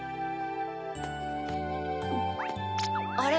あれ？